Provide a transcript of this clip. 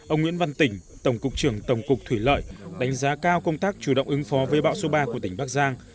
ông nguyễn văn tỉnh tổng cục trưởng tổng cục thủy lợi đánh giá cao công tác chủ động ứng phó với bão số ba của tỉnh bắc giang